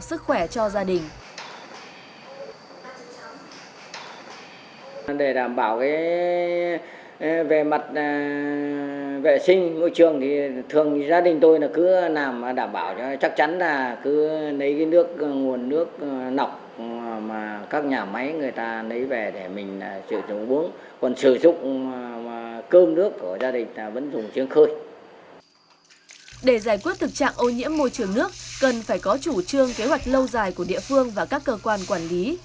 sự trạng ô nhiễm môi trường nước cần phải có chủ trương kế hoạch lâu dài của địa phương và các cơ quan quản lý